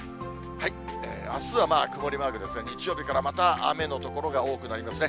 あすは曇りマークですが、日曜日からまた雨の所が多くなりますね。